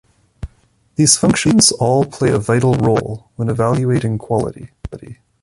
These functions all play a vital role when evaluating quality.